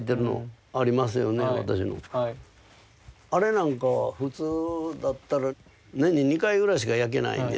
あれなんかは普通だったら年に２回ぐらいしか焼けないんですよね。